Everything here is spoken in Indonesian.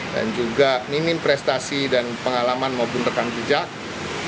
dan juga minim prestasi dan pengalaman maupun rekan kejahat